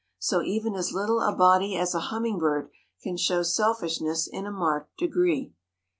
So even as little a body as a hummingbird can show selfishness in a marked degree.